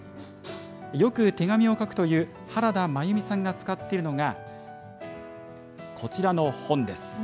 よく手紙を書くという原田真由美さんが使っているのが、こちらの本です。